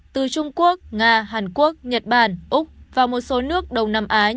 từ trung quốc nga hàn quốc nhật bản úc và một số nước đông nam á